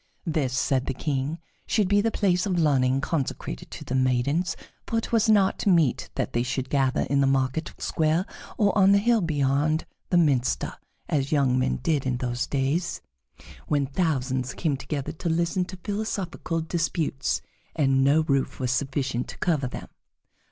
This, said the King, should be the place of learning consecrated to the maidens, for it was not meet that they should gather in the market square or on the hill beyond the minster, as young men did in those days when thousands came together to listen to philosophical disputes, and no roof was sufficient to cover them.